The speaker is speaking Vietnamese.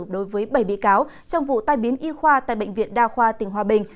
đối với bảy bị cáo trong vụ tai biến y khoa tại bệnh viện đa khoa tỉnh hòa bình